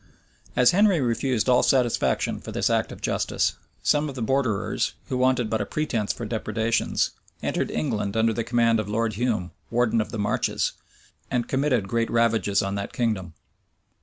As Henry refused all satisfaction for this act of justice, some of the borderers, who wanted but a pretence for depredations, entered England under the command of Lord Hume, warden of the marches, and committed great ravages on that kingdom.